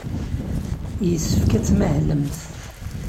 Yessefk ad tmahlemt.